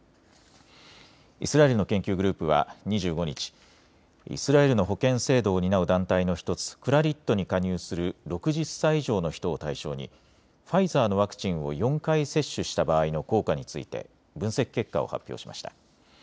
イスラエルの研究グループは２５日、イスラエルの保険制度を担う団体の１つ、クラリットに加入する６０歳以上の人を対象にファイザーのワクチンを４回接種したした場合の効果について分析結果を発表しました。